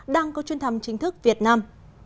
đang có chuyên thăm chính thức việt nam